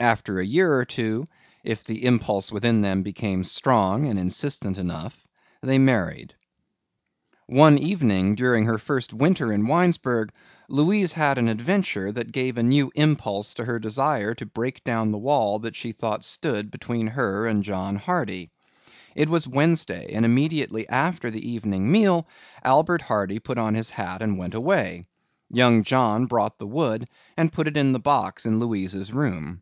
After a year or two, if the impulse within them became strong and insistent enough, they married. One evening during her first winter in Winesburg, Louise had an adventure that gave a new impulse to her desire to break down the wall that she thought stood between her and John Hardy. It was Wednesday and immediately after the evening meal Albert Hardy put on his hat and went away. Young John brought the wood and put it in the box in Louise's room.